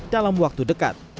dalam waktu dekat